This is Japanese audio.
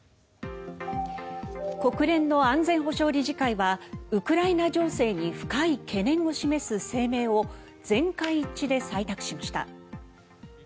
国連の安全保障理事会はウクライナ情勢に深い懸念を示す声明を全会一致で採択しました。